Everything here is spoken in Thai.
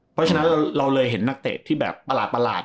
เพราะฉะนั้นเราเลยเห็นนักเตะที่แบบประหลาด